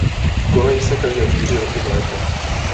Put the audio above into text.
Konají se každé čtyři roky v létě.